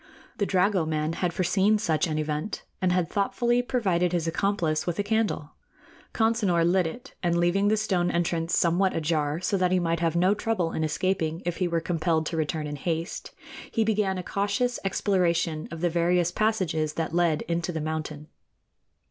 The dragoman had foreseen such an event, and had thoughtfully provided his accomplice with a candle. Consinor lit it, and, leaving the stone entrance somewhat ajar, so that he might have no trouble in escaping if he were compelled to return in haste, he began a cautious exploration of the various passages that led into the mountain.